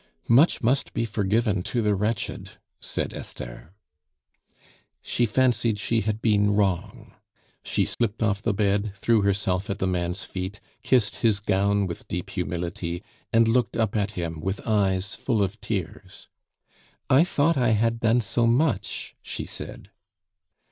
"Much must be forgiven to the wretched," said Esther. She fancied she had been wrong; she slipped off the bed, threw herself at the man's feet, kissed his gown with deep humility, and looked up at him with eyes full of tears. "I thought I had done so much!" she said.